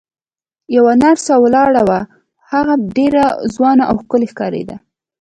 یوه نرسه ولاړه وه، هغه ډېره ځوانه او ښکلې ښکارېده.